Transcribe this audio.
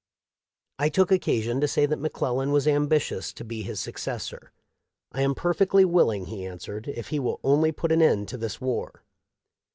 I took occasion to say that McClellan was ambitious to be his successor, ' I am perfectly willing,' he THE LIFE OF LINCOLN. 545 answered, ' if he will only put an end to this war.'"